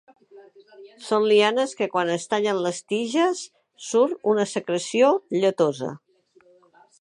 Són lianes que quan es tallen les tiges, surt una secreció lletosa.